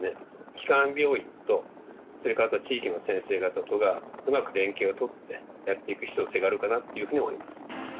基幹病院と、それからあと地域の先生方とがうまく連携を取ってやっていく必要性があるかなというふうに思います。